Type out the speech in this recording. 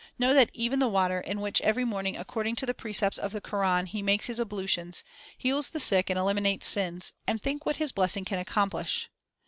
Know that even the water, in which every morning according to the precepts of the Koran he makes his ablutions, heals the sick and eliminates sins; and think what his blessing can accomplish!"